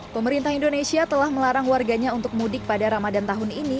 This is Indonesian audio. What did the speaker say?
pemerintah indonesia telah melarang warganya untuk mudik pada ramadan tahun ini